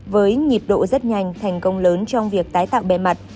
với nhịp độ rất nhanh thành công lớn trong việc tái tạo bề mặt